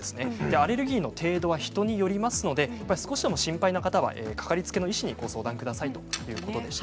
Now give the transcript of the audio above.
アレルギーの程度は人によりますので、少しでも心配な方は掛かりつけの医師にご相談くださいということでした。